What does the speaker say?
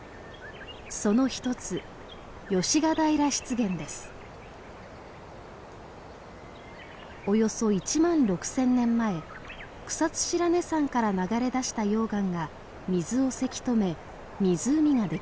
その一つおよそ１万６，０００年前草津白根山から流れ出した溶岩が水をせき止め湖ができました。